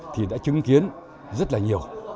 thì đã chứng kiến rất là nhiều